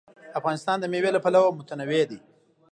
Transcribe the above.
افغانستان د مېوې له پلوه متنوع دی.